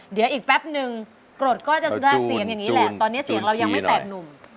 เดี๋ยวอีกแป๊บนึงกรดก็จะได้เสียงอย่างนี้แหละตอนนี้เสียงเรายังไม่แตกหนุ่ม